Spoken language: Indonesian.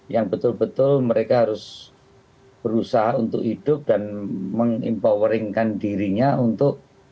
yang betul betul mereka harus berusaha untuk hidup dan meng empoweringkan dirinya untuk